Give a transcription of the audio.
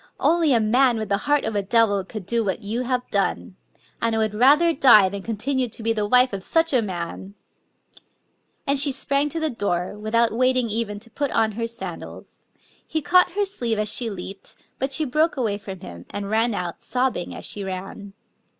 Only a man with the heart of a devil could do what you have done !... And I would rather die than continue to be the wife of such a man !" And she sprang to the door, without waiting even to put on her sandals. He caught her sleeve as she leaped; but she broke away from him, and ran out, sobbing as she ran.